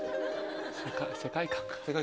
世界観が。